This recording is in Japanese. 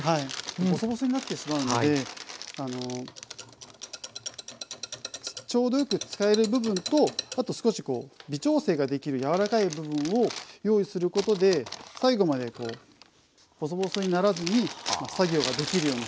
ボソボソになってしまうのでちょうどよく使える部分とあと少し微調整ができる柔らかい部分を用意することで最後までボソボソにならずに作業ができるように。